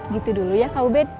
gitu dulu ya kak ubed